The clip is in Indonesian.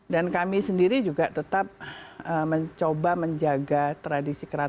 dan kami sendiri juga tetap mengikuti situasi yang ada dengan generasi muda sekarang